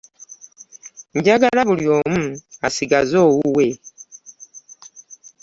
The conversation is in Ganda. Njagala buli omu asigaze owuwe.